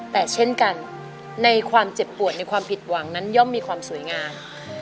แต่เช่นกันในความเจ็บปวดในความผิดหวังนั้นย่อมมีความสวยงาม